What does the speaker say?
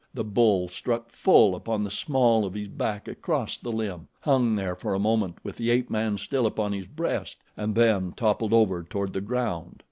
The bull struck full upon the small of his back across the limb, hung there for a moment with the ape man still upon his breast, and then toppled over toward the ground.